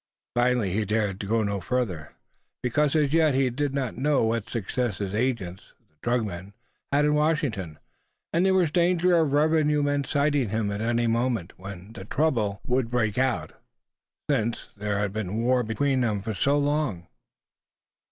Finally he dared go no further, because as yet he did not know what success his agents, the drug men, had in Washington; and there was danger of revenue men sighting him at any moment, when trouble must break out, since there had been war between them for so long.